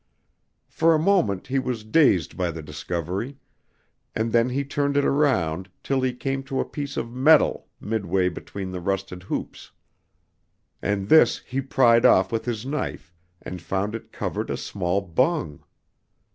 For a moment he was dazed by the discovery, and then he turned it around till he came to a piece of metal midway between the rusted hoops, and this he pried off with his knife and found it covered a small bung.